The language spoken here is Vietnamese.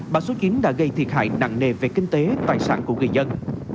bão số chín đã gây thiệt hại nặng nề về kinh tế tài sản của người dân